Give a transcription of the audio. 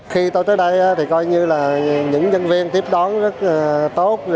khi tôi tới đây thì coi như là những nhân viên tiếp đón rất tốt